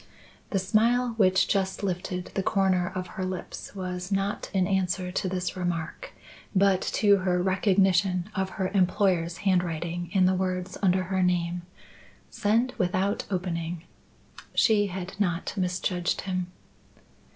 The smile which just lifted the corner of her lips was not in answer to this remark, but to her recognition of her employer's handwriting in the words under her name: Send without opening. She had not misjudged him.